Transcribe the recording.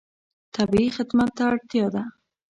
طبیعي خدمت ته اړتیا ده.